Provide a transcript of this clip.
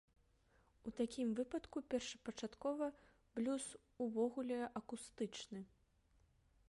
У такім выпадку першапачаткова, блюз увогуле акустычны!